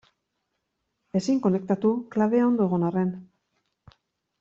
Ezin konektatu, klabea ondo egon arren.